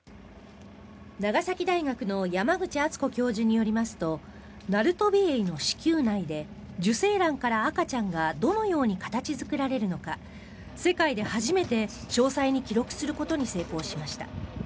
長崎大学の山口敦子教授によりますとナルトビエイの子宮内で受精卵から赤ちゃんがどのように形作られるのか世界で初めて詳細に記録することに成功しました。